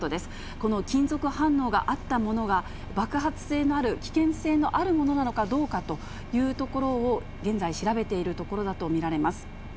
この金属反応があったものが、爆発性のある、危険性のあるものなのかどうかということを現在、調べているところだと見られます。